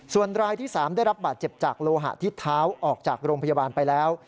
ส่วนรายที่๓ได้รับบาดเจ็บจากโลหะทิศเท้าออกจากโรงพยาบาลไปแล้ว